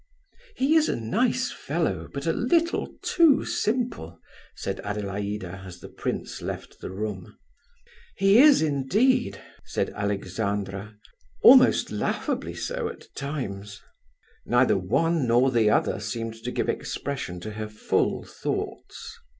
"He is a nice fellow, but a little too simple," said Adelaida, as the prince left the room. "He is, indeed," said Alexandra; "almost laughably so at times." Neither one nor the other seemed to give expression to her full thoughts.